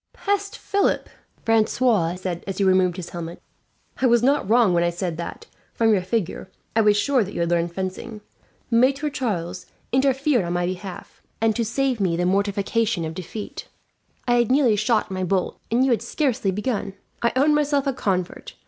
"Peste, Philip!" Francois said, as he removed his helmet. "I was not wrong when I said that, from your figure, I was sure that you had learned fencing. Maitre Charles interfered on my behalf, and to save me the mortification of defeat. I had nearly shot my bolt, and you had scarcely begun. "I own myself a convert.